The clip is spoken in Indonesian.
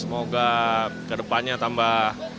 semoga ke depannya tambah